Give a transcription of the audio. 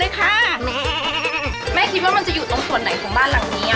แม่แม่คิดว่ามันจะอยู่ตรงส่วนไหนของบ้านหลังนี้